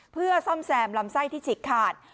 เพื่อซ่อมแซมลำไส้ที่ฉีกขาด